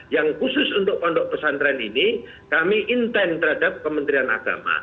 yang khusus untuk pondok pesantren ini kami intent terhadap kementerian agama